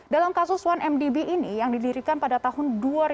dalam kasus satu mdb ini yang didirikan pada tahun dua ribu dua